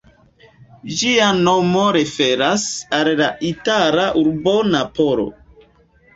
Ĝia nomo referas al la itala urbo Napolo.